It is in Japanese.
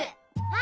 あ！